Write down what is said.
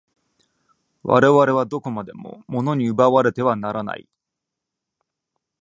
我々はどこまでも物に奪われてはならない。